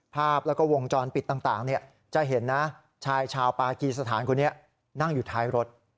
ภาพแล้วก็วงจรปิดต่างจะเห็นนะชายชาวปากีสถานคนนี้นั่งอยู่ท้ายรถ